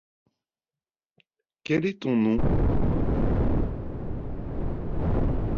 Quel est ton nom ?